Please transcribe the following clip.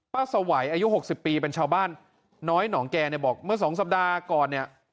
ป้าสวัยอายุ๖๐ปีเป็นชาวบ้านน้อยหนองแกบอกเมื่อ๒สัปดาห์ก่อน